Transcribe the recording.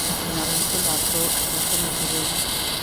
د نارنج ګل عطرو زبیښلې شیبې